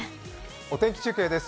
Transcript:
お天気中継です。